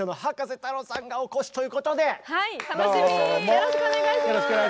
よろしくお願いします。